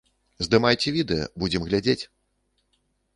Здымайце відэа, будзем глядзець!